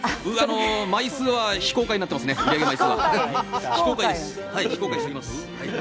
枚数は非公開になっていますね。